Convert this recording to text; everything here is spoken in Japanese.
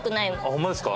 ホンマですか？